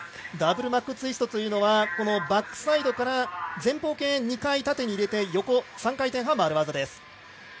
ダブルマックツイストというのはバックサイドから前方系、２回転を入れて、３回転半、回る技です。